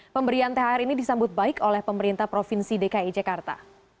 pemberian thr ini disambut baik oleh pemerintah provinsi dki jakarta